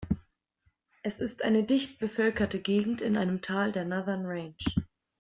Es ist eine dicht bevölkerte Gegend in einem Tal der Northern Range.